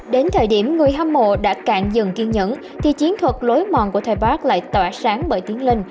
đến thời điểm người hâm mộ đã cạn dừng kiên nhẫn thì chiến thuật lối mòn của thầy park lại tỏa sáng bởi tiến linh